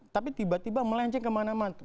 tapi tiba tiba melenceng kemana mana